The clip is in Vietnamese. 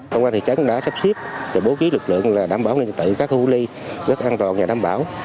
công an thị trấn đã sắp xếp bố trí lực lượng đảm bảo an ninh trật tự các khu cách ly rất an toàn và đảm bảo